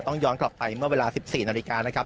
ย้อนกลับไปเมื่อเวลา๑๔นาฬิกานะครับ